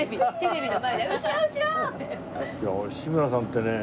俺志村さんってね